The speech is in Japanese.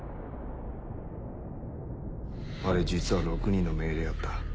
あれ実は６人の命令やった。